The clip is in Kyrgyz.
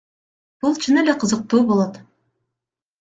Бул чын эле кызыктуу болот.